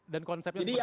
dan konsepnya seperti apa